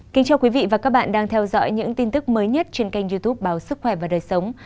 kính chào quý vị và các bạn đang theo dõi những tin tức mới nhất trên kênh youtube báo sức khỏe và đời sống